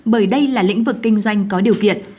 bởi đây là lĩnh vực kinh doanh có điều kiện